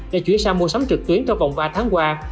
để chuyển sang mua sắm trực tuyến trong vòng ba tháng qua